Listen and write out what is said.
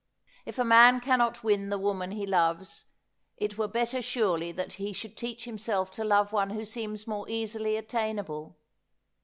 If a man cannot win the woman he loves it were better surely that he should teach himself to love one who seems more easily attainable.